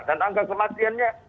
dan angka kematiannya